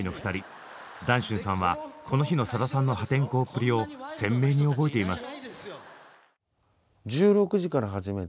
談春さんはこの日のさださんの破天荒っぷりを鮮明に覚えています。